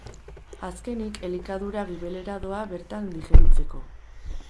Azkenik elikadura gibelera doa bertan digeritzeko.